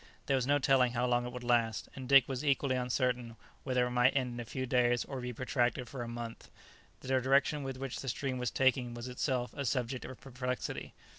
There was no telling how long it would last, and Dick was equally uncertain whether it might end in a few days, or be protracted for a month. The direction which the stream was taking was itself a subject of perplexity.